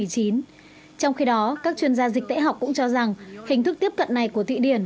trong khi đó các chuyên gia dịch tễ học cũng cho rằng hình thức tiếp cận này của thụy điển